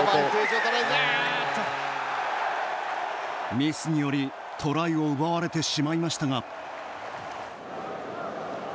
ミスによりトライを奪われてしまいましたが。